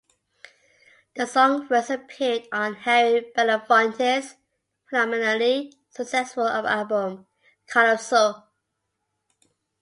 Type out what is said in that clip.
The song first appeared on Harry Belafonte's phenomenally successful album "Calypso".